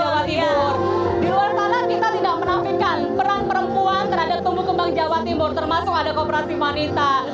di luar sana kita tidak menampilkan peran perempuan terhadap tumbuh kembang jawa timur termasuk ada kooperasi wanita